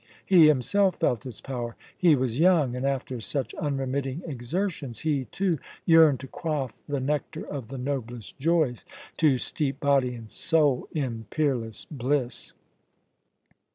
He himself felt its power; he was young, and after such unremitting exertions he too yearned to quaff the nectar of the noblest joys, to steep body and soul in peerless bliss.